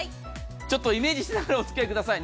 ちょっとイメージしながらおつきあいくだい。